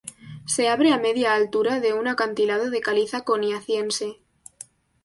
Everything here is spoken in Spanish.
Se abre a media altura de un acantilado de caliza Coniaciense.